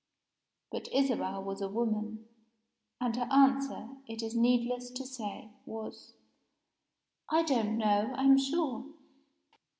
But Isabel was a woman; and her answer, it is needless to say, was "I don't know, I'm sure."